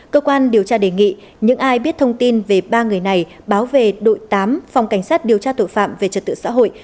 cơ quan điều tra đề nghị những ai biết thông tin về ba người này báo về đội tám phòng cảnh sát điều tra tội phạm về trật tự xã hội